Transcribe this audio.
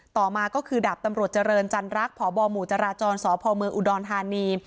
ต่อมาก็คือดาบตำรวจเจริญจันรักพบหมู่จราจรสพเมืองอุดรธานี